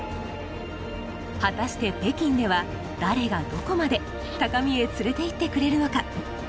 果たして北京では誰がどこまで高みへ連れていってくれるのか？